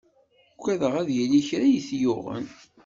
Uggadeɣ ad yili kra i t-yuɣen.